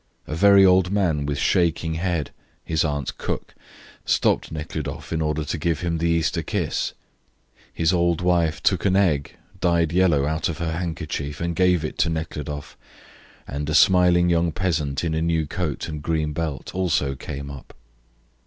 A very old man with shaking head, his aunts' cook, stopped Nekhludoff in order to give him the Easter kiss, his old wife took an egg, dyed yellow, out of her handkerchief and gave it to Nekhludoff, and a smiling young peasant in a new coat and green belt also came up.